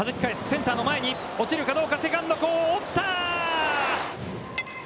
センターの前に落ちるかどうか、セカンド後方、落ちた！